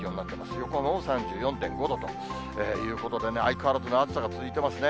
横浜も３４．５度ということで、相変わらずの暑さが続いてますね。